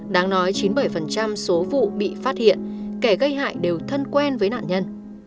đáng nói chín mươi bảy số vụ bị phát hiện kẻ gây hại đều thân quen với nạn nhân